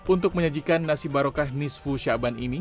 untuk menyajikan nasi barokah nisfu syaban ini